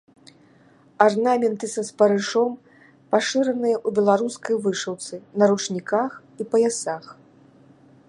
Арнаменты са спарышом пашыраныя ў беларускай вышыўцы, на ручніках і паясах.